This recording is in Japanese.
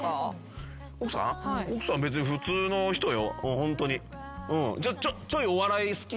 奥さん別に普通の人よホントに。